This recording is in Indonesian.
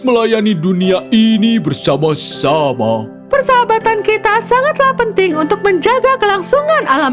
melayani dunia ini bersama sama persahabatan kita sangatlah penting untuk menjaga kelangsungan alam